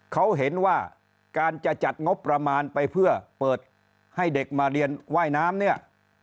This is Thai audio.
เขาเห็นว่าการจะจัดงบประมาณไปเพื่อเปิดให้เด็กมาเรียนว่ายน้ำเนี่ย